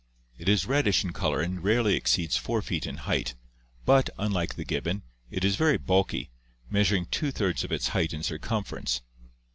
It is reddish in color and rarely exceeds 4 feet in height, but, unlike the gibbon, it is very bulky, measuring two thirds of its height in circumference.